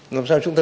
làm sao chúng ta